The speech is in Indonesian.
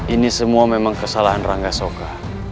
ini semua memang kesalahan rangga soka